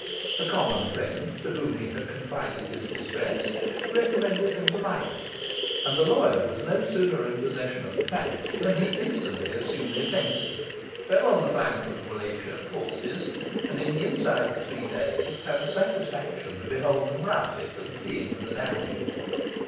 A common friend (to whom he had confided his distress) recommended him to Michael; and the lawyer was no sooner in possession of the facts than he instantly assumed the offensive, fell on the flank of the Wallachian forces, and, in the inside of three days, had the satisfaction to behold them routed and fleeing for the Danube.